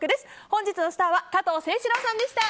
本日のスターは加藤清史郎さんでした。